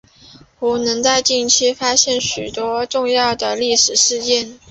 湖南在近代发生许多重要的历史事件。